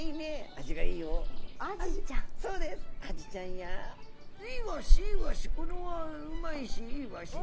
アジちゃんや「いいわしいいわしこれはうまいしいいわしね」。